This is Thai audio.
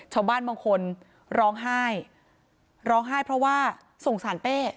ชาวบ้านบางคนร้องไห้ร้องไห้เพราะว่าสงสารเป้